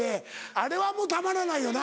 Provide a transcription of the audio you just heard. あれはもうたまらないよな？